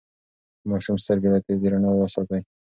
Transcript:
د ماشوم سترګې له تیزې رڼا وساتئ.